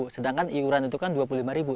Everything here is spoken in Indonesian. sedangkan iuran itu kan dua puluh lima ribu